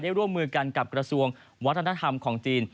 ร่วมมือกันกับกระทรวงวัฒนธรรมของจีน